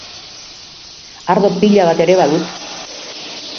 Ardo pila bat ere badut.